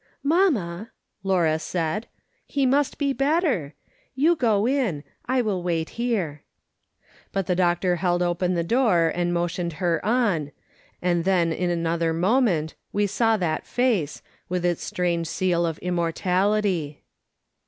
"Mamma," Laura said, "he must be better. You go in ; I will wait here." But the doctor held open the door and motioned her on, and then in another moment we saw that face, with its strange seal of immortality.